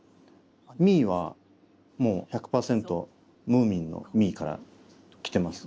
実衣はもう１００％「ムーミン」のミイから来てます。